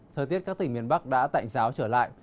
thời tiết các tỉnh miền bắc đã tạnh giáo trở lại